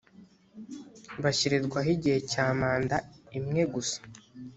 bashyirirwaho igihe cya manda imwe gusa